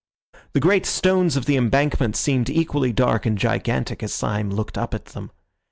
The great stones of the Embankment seemed equally dark and gigantic as Syme looked up at them.